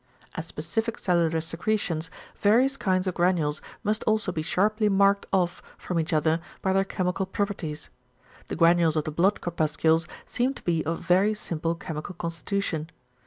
As specific cellular secretions, various kinds of granules must also be sharply marked off from each other by their chemical properties. The granules of the blood corpuscles seem to be of very simple chemical constitution.